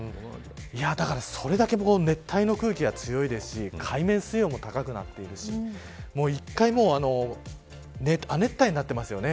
だからそれだけ熱帯の空気が強いですし海面水温も高くなっているし１回、亜熱帯になってますよね